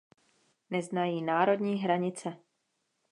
Neznají národní hranice.